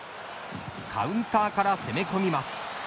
カウンターから攻め込みます。